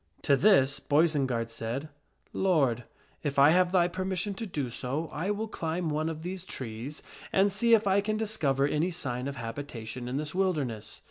To this Boisenard said, " Lord, if I have thy permission to do so, I will climb one of these trees and see if I can discover any sign of habita tion in this wilderness."